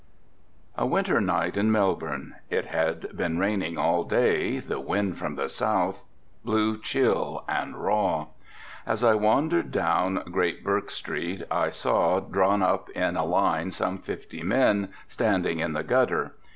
A winter night in Melbourne; it had been raining all day, the wind from the south blew chill and raw. As I wandered down Great Bourke street I saw, drawn up in a line some fifty men standing in the gutter.